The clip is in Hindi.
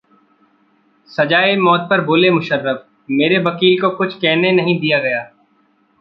सजा-ए-मौत पर बोले मुशर्रफ- मेरे वकील को कुछ कहने नहीं दिया गया